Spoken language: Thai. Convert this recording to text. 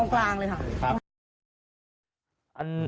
กับฝั่งโน้นตรงกลางเลยค่ะ